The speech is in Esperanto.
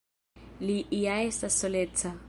Li ja estas soleca.